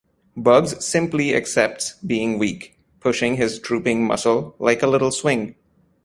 Bugs simply accepts being weak, pushing his drooping muscle like a little swing.